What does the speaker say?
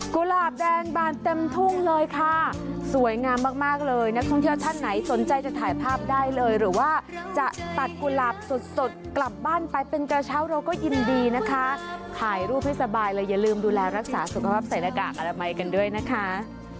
หลาบแดงบานเต็มทุ่งเลยค่ะสวยงามมากมากเลยนักท่องเที่ยวท่านไหนสนใจจะถ่ายภาพได้เลยหรือว่าจะตัดกุหลาบสดกลับบ้านไปเป็นกระเช้าเราก็ยินดีนะคะถ่ายรูปให้สบายเลยอย่าลืมดูแลรักษาสุขภาพใส่หน้ากากอนามัยกันด้วยนะคะ